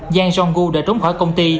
giang jong gu đã trốn khỏi công ty